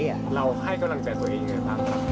เราให้กำลังใจตัวเองเลยครับ